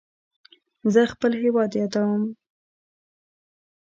زه خپل هیواد یادوم.